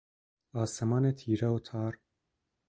آسمان تیره و تار